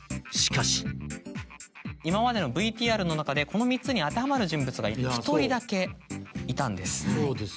しかし今までのＶＴＲの中でこの３つに当てはまる人物が１人だけいたんです。